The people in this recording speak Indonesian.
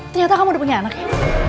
ternyata kamu udah punya anaknya